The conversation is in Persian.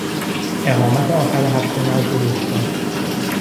اقامت آخر هفته نزد دوستان